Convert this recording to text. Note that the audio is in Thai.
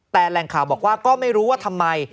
แต่แหล่งข่าวบอกว่าก็ไม่รู้ว่าทำไม